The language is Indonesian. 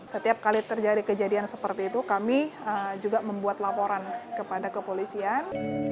setiap kali terjadi kejadian seperti itu kami juga membuat laporan kepada kepolisian